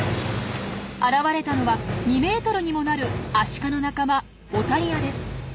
現れたのは２ｍにもなるアシカの仲間オタリアです。